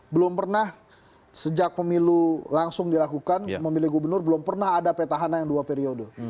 belum pernah sejak pemilu langsung dilakukan memilih gubernur belum pernah ada petahana yang dua periode